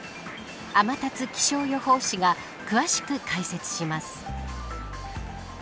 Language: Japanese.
天達気象予報士が詳しく解説します。